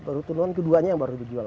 perlu turunan keduanya yang harus dijual